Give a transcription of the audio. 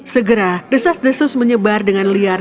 segera desas desus menyebar dengan liar